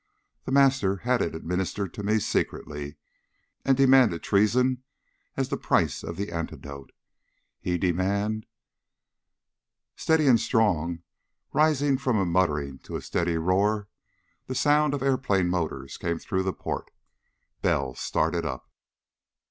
The Master had it administered to me secretly, and demanded treason as the price of the antidote. He deman "Steady and strong, rising from a muttering to a steady roar, the sound of airplane motors came through the port. Bell started up.